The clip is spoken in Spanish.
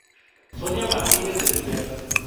Sonia Martínez del Villar.